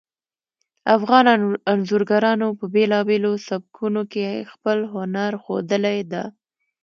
افغان انځورګرانو په بیلابیلو سبکونو کې خپل هنر ښودلی ده